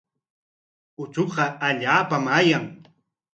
Uchuqa allaapam ayan.